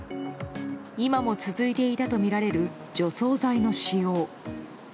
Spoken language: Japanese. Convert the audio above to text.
今も続いていたとみられる除草剤の使用。